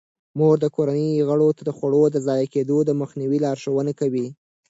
مور د کورنۍ غړو ته د خوړو د ضایع کیدو د مخنیوي لارښوونه کوي.